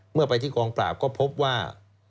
เมื่อไปที่กองปราบก็พบว่า